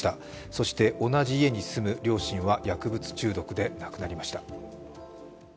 そして同じ家に住む両親は薬物中毒で亡くなりました。